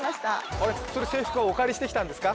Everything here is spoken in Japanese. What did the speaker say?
あれそれ制服はお借りしてきたんですか？